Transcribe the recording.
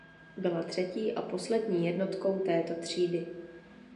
Byla třetí a poslední jednotkou této třídy.